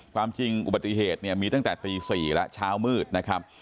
ความจริงอุบัติเหตุเนี่ยมีตั้งแต่ตี๔แล้วเช้ามืดนะครับ